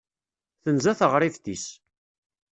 Tenza teɣribt-is.